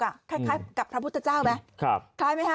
คล้ายกับพระพุทธเจ้าไหมคล้ายไหมคะ